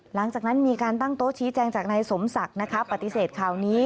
หลังจากนั้นมีการตั้งโต๊ะชี้แจงจากนายสมศักดิ์ปฏิเสธข่าวนี้